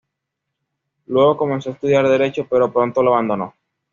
Luego comenzó a estudiar derecho pero pronto lo abandonó.